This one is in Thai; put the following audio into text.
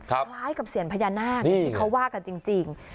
คล้ายกับเสียงพญานาคอย่างที่เขาว่ากันจริง